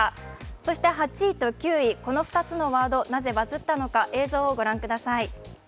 そして８位と９位、この２つのワード、なぜバズったのか映像を御覧ください。